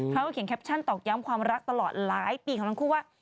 เขาก็เขียนแคปชั่นตอกย้ำความรักตลอดหลายปีของทั้งคู่ว่า